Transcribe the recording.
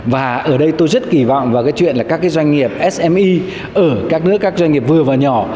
và ở đây tôi rất kỳ vọng các doanh nghiệp sme ở các nước doanh nghiệp vừa và nhỏ